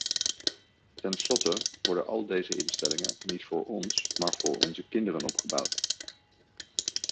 Ten slotte worden al deze instellingen niet voor ons, maar voor onze kinderen opgebouwd.